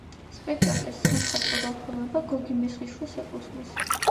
სპექტქკლის სამხატვრო გაფორმება გოგი მესხიშვილს ეკუთვნის.